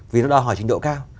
vì nó đòi hỏi trình độ cao